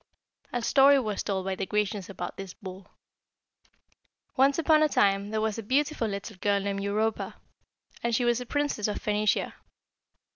A story was told by the Grecians about this bull: "Once upon a time there was a beautiful little girl named Europa, and she was a princess of Phœnicia.